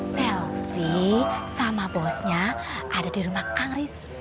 selvi sama bosnya ada di rumah kang risa